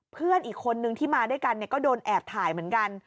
เพื่อนอีกคนนึงที่มาด้วยกันก็โดนแอบถ่ายเหมือนกัน